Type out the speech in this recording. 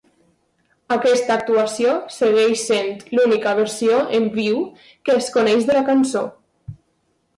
Aquesta actuació segueix sent l'única versió en viu que es coneix de la cançó.